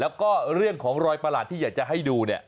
แล้วก็เรื่องของรอยประหลาดที่อยากจะให้ดูเนี่ย